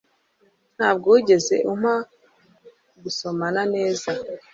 ntabwo wigeze umpa gusomana neza